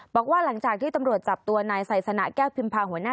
บอกว่าหลังจากที่ตำรวจจับตัวนายไซสนะแก้วพิมพาหัวหน้า